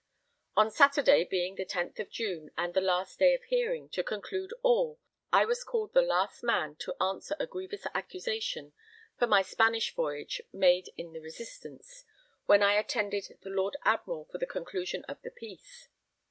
On Saturday, being the 10th of June and the last day of hearing, to conclude all, I was called the last man to answer a grievous accusation for my Spanish voyage made in the Resistance, when I attended the Lord Admiral for the conclusion of the peace.